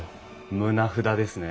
棟札ですね？